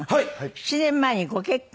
７年前にご結婚。